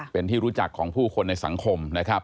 เป็นที่รู้จักของผู้คนในสังคมนะครับ